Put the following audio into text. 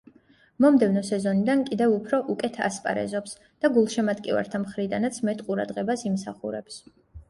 მომდევნო სეზონიდან კიდევ უფრო უკეთ ასპარეზობს და გულშემატკივართა მხრიდანაც მეტ ყურადღებას იმსახურებს.